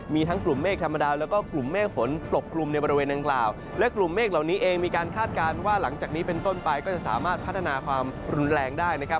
มีทั้งกลุ่มเมฆธรรมดาแล้วก็กลุ่มเมฆฝนปกกลุ่มในบริเวณดังกล่าวและกลุ่มเมฆเหล่านี้เองมีการคาดการณ์ว่าหลังจากนี้เป็นต้นไปก็จะสามารถพัฒนาความรุนแรงได้นะครับ